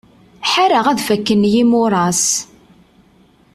Ḥareɣ ad fakken yimuras.